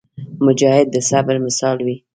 مجاهد د صبر مثال وي.